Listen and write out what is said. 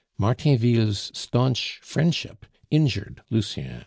Martainville's staunch friendship injured Lucien.